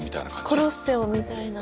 コロッセオみたいな。